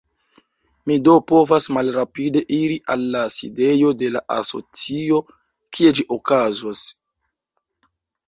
Mi do povas malrapide iri al la sidejo de la asocio, kie ĝi okazos.